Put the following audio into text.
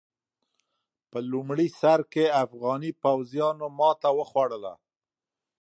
په لومړي سر کې افغاني پوځيانو ماته وخوړه.